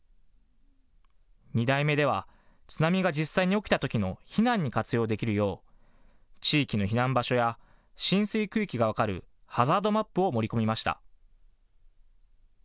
２代目では津波が実際に起きたときの避難に活用できるよう地域の避難場所や浸水区域が分かるハザードマップを盛り込みました。